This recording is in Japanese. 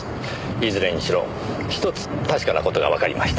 いずれにしろ一つ確かな事がわかりました。